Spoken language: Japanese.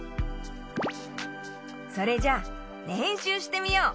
それじゃれんしゅうしてみよう。